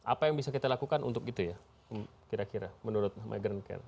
apa yang bisa kita lakukan untuk itu ya kira kira menurut migran care